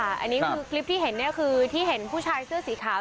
ครับคริปที่เห็นเนี่ยคือที่เห็นผู้ชายเสื้อสีขาว